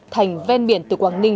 thành ven biển từ quảng ninh